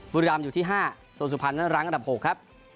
บุริรัมณ์อยู่ที่๕ส่วนสุภัณฑ์รังอันดับ๖ครับ